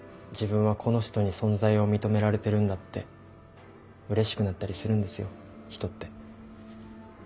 自分はこの人に存在を認められてるんだってうれしくなったりするんですよ人って。